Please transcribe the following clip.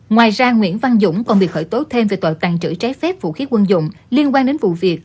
ngoài ra nguyễn văn dũng còn bị khởi tố thêm về tội tàn trữ trái phép vũ khí quân dụng liên quan đến vụ việc